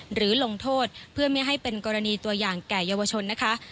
ลงโทษเพื่อไม่ให้เป็นกรณีตัวอย่างแก่เยาวชนนะคะ